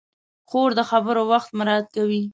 خور د خبرو وخت مراعت کوي.